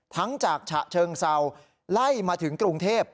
ทั้งจากฉะเชิงเซาไล่มาถึงกรุงเทพ